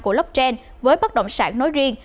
của blockchain với bất động sản nói riêng